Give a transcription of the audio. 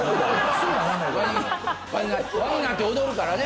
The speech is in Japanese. ＷＡになって踊るからね。